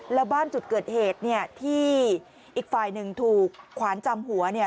แล้วบ้านจุดเกิดเหตุที่อีกฝ่ายหนึ่งถูกขวานจำหัว